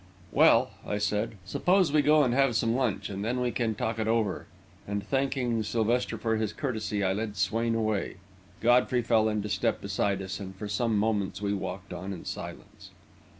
"Well," I said, "suppose we go and have some lunch, and then we can talk it over," and thanking Sylvester for his courtesy, I led Swain away. Godfrey fell into step beside us, and for some moments we walked on in silence.